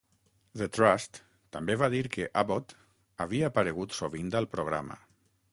The Trust també va dir que Abbott havia aparegut sovint al programa.